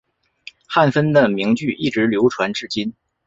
汉森的名句一直流传至今。